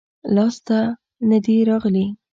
لاس ته نه دي راغلي-